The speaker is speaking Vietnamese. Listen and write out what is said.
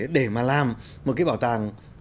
để mà làm một cái bảo tàng